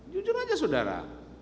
jujur aja saudara